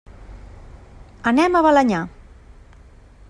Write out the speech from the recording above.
Anem a Balenyà.